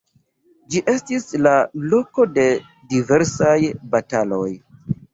Ĝi estis la loko de diversaj bataloj.